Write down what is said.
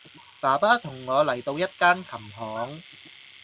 爸爸同我嚟到一間琴行